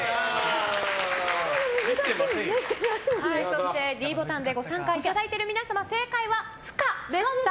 そして、ｄボタンでご参加いただいている皆様正解は不可でした。